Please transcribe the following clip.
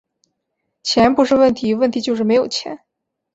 钱不是问题，问题就是没有钱